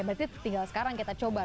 berarti tinggal sekarang kita coba